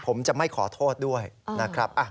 ผมจะไม่ขอโทษด้วยนะครับ